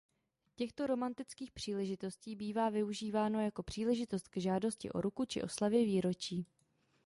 Těchto romantických příležitostí bývá využíváno jako příležitost k žádosti o ruku či oslavě výročí.